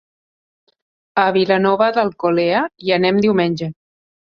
A Vilanova d'Alcolea hi anem diumenge.